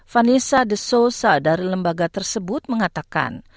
vanessa de souza dari lembaga tersebut mengatakan